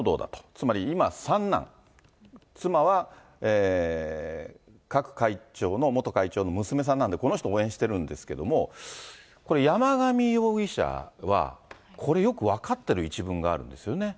つまり今、三男、妻はクァク会長元会長の娘さんなんで、この人を応援してるんですけれども、これ、山上容疑者はこれ、よく分かってる一文があるんですよね。